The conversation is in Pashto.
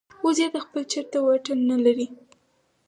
وزې د خپل چرته واټن نه لري